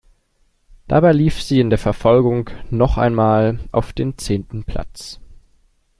Dabei lief sie in der Verfolgung noch einmal auf den zehnten Platz.